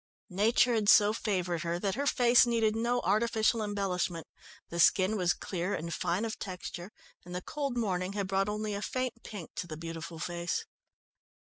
Nature had so favoured her that her face needed no artificial embellishment the skin was clear and fine of texture, and the cold morning had brought only a faint pink to the beautiful face.